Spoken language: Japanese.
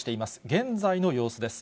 現在の様子です。